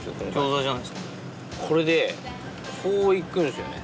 これでこう行くんすよね。